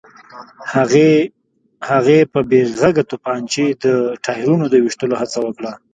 هغې په بې غږه تومانچې د ټايرونو د ويشتلو هڅه وکړه.